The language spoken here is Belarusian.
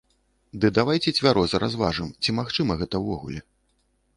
Ды давайце цвяроза разважым, ці магчыма гэта ўвогуле.